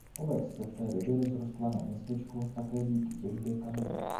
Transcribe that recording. Obec se v té době rozrostla na městečko také díky těžbě kamene.